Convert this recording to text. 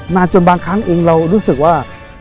จนบางครั้งเองเรารู้สึกว่า